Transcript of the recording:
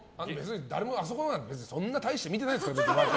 誰もあそこなんてそんな大して見てないですから。